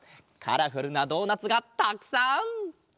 カラフルなドーナツがたくさん！